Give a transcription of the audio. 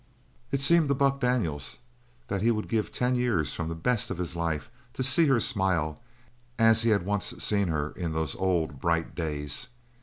It seemed to Buck Daniels that he would give ten years from the best of his life to see her smile as he had once seen her in those old, bright days.